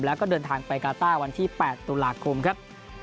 แล้วก็เดินทางไปกาต้าวันที่๘ตุลาคมครับ